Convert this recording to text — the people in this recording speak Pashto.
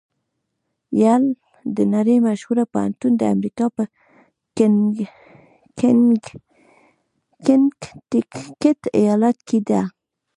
یل د نړۍ مشهوره پوهنتون د امریکا په کنېکټیکیټ ایالات کې ده.